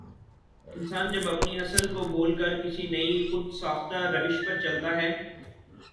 انسان جب اپنی اصل کو بھول کر کسی نئی خو د ساختہ روش پرچلتا ہے